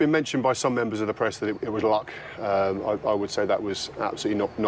เมื่อกีดเชิญพวกเราผลลูกกระทั่วเมื่อกีดจำเราเห็นพวกมัน